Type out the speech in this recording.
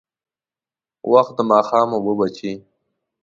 وخت د ماښام اوبه بجې.